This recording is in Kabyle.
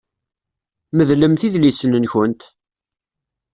Medlemt idlisen-nkent!